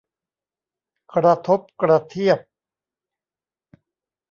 กระทบกระเทียบ